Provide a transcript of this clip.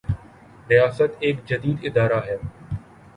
ریاست ایک جدید ادارہ ہے۔